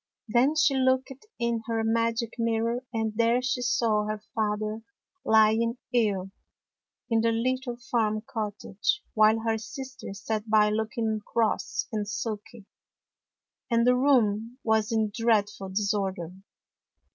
Then she looked in her magic mirror, and there she saw her father lying ill in the little farm cottage, while her sisters sat by looking cross and sulky, and the room was in dreadful disorder.